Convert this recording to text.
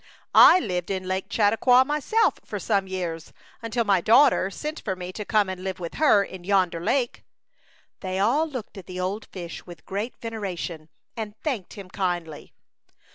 "I lived in Lake Chautau qua myself for some years until my * daughter sent for me to come and live with her in yonder lake." 26 A Chautauqua Idyl. They all looked at the old fish with great veneration, and thanked him kindly.